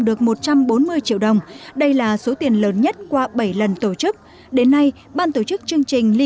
được một trăm bốn mươi triệu đồng đây là số tiền lớn nhất qua bảy lần tổ chức đến nay ban tổ chức chương trình ly